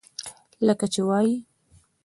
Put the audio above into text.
لکه چې وائي: